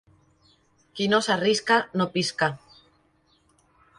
Qui no s'arrisca no pisca.